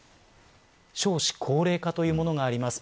少子高齢化というものがあります。